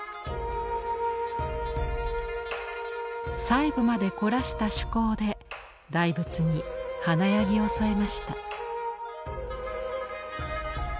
細部まで凝らした趣向で大仏に華やぎを添えました。